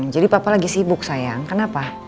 jadi papa lagi sibuk sayang kenapa